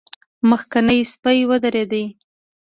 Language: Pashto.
مخکينی سپی ودرېد.